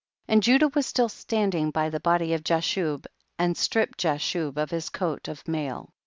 43. And Judah was still standing by the body of Jashub, and stripped Jashub of his coat of mail.